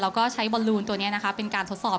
แล้วก็ใช้บอลลูนตัวนี้นะคะเป็นการทดสอบ